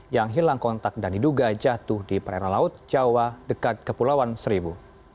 yang hilang kontak dan diduga jatuh di perairan laut jawa dekat kepulauan seribu